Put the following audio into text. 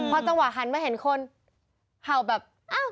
พอจังหวะหันมาเห็นคนเห่าแบบอ้าว